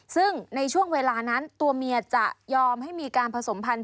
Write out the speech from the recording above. ซึ่งในช่วงเวลานั้นตัวเมียจะยอมให้มีการผสมพันธุ